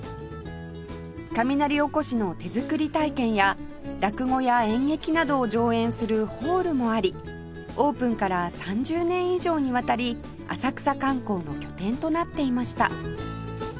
雷おこしの手作り体験や落語や演劇などを上演するホールもありオープンから３０年以上にわたり浅草観光の拠点となっていました